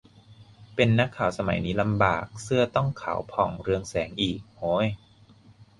เป็นนักข่าวสมัยนี้ลำบาก เสื้อต้องขาวผ่องเรืองแสงอีก โหย